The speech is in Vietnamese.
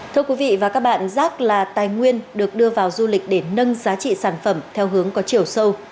thưa quý vị và các bạn rác là tài nguyên được đưa vào du lịch để nâng giá trị sản phẩm theo hướng có chiều sâu